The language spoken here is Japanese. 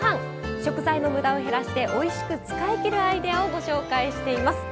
食材のむだを減らしておいしく使いきるアイデアをご紹介しています。